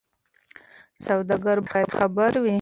سوداګر باید خبر وي.